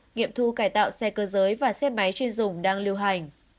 nghiệm thu cải tạo xe cơ giới và xe máy chuyên dùng đang lưu hành